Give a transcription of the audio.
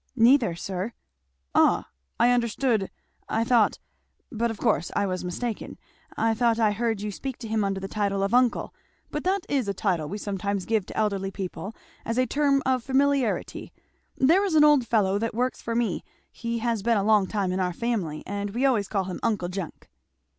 "Neither, sir." "Ah! I misunderstood I thought, but of course I was mistaken, I thought I heard you speak to him under the title of uncle. But that is a title we sometimes give to elderly people as a term of familiarity there is an old fellow that works for me, he has been a long time in our family, and we always call him 'uncle Jenk.'"